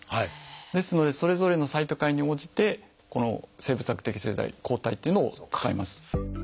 ですのでそれぞれのサイトカインに応じて生物学的製剤抗体っていうのを使います。